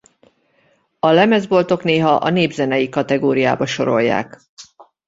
A lemezboltok néha a népzenei kategóriába sorolják.